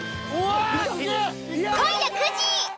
今夜９時。